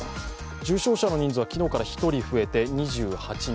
重症者の人数は昨日から１人増えて２８人。